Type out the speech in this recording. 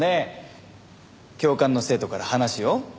教官の生徒から話を？